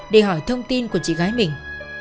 để hỏi thông tin của chị gái mình